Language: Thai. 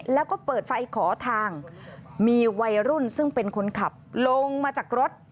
แล้วก็เปิดไฟขอทางมีวัยรุ่นซึ่งเป็นคนขับลงมาจากรถ